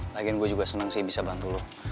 lagian gue juga senang sih bisa bantu lo